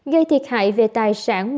gây thiệt hại về tài sản